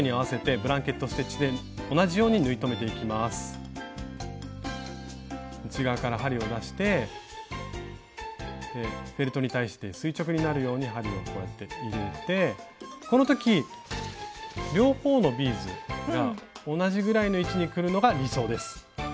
フェルトに対して垂直になるように針をこうやって入れてこの時両方のビーズが同じぐらいの位置にくるのが理想です。